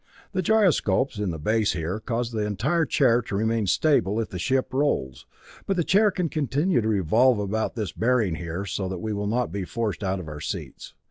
The gyroscopes in the base here cause the entire chair to remain stable if the ship rolls, but the chair can continue to revolve about this bearing here so that we will not be forced out of our seats.